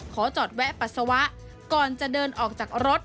ขอจอดแวะปัสสาวะก่อนจะเดินออกจากรถ